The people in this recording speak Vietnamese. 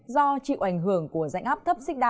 do chịu ảnh hưởng của dạnh áp thấp xích đa